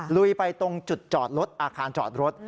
ลุยไปตรงจุดจอดรถอาคารจอดรถ